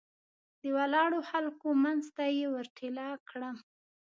د ولاړو خلکو منځ ته یې ور ټېله کړم.